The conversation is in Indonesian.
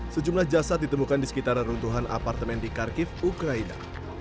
sejumlah jasad ditemukan di sekitaran runtuhan apartemen di kharkiv ukraina